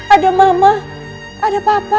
ada mama ada papa